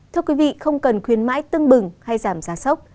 thưa quý vị không cần khuyến mãi tưng bừng hay giảm giá sốc